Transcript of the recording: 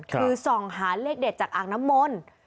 คือส่องหาเลขเด็ดจากอ่างน้ำมนต์